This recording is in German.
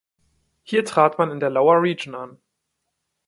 Hier trat man in der Lower Region an.